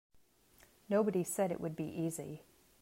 Nobody said it would be easy.